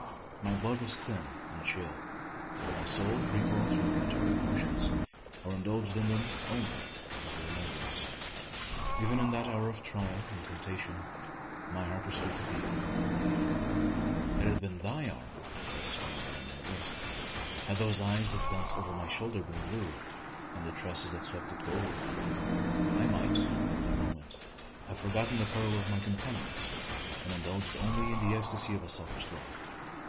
My blood was thin and chill. My soul recoiled from amatory emotions, or indulged in them only as a remembrance. Even in that hour of trial and temptation, my heart was true to thee, Lilian! Had it been thy arm thus wound around my waist had those eyes that glanced over my shoulder been blue, and the tresses that swept it gold I might for the moment have forgotten the peril of my companions, and indulged only in the ecstasy of a selfish love.